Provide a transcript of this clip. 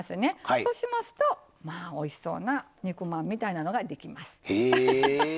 そうしますとおいしそうな肉まんみたいなのができます。